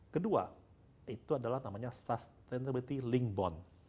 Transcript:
kedua itu adalah namanya sustainability link bond